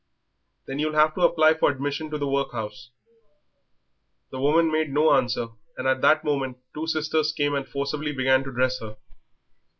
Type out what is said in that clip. "Then you'll have to apply for admission to the workhouse." The woman made no answer, and at that moment two sisters came and forcibly began to dress her.